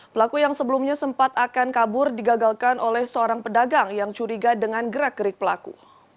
pelaku yang sebelumnya sempat akan kabur digagalkan oleh seorang pedagang yang curiga dengan gerak gerik pelaku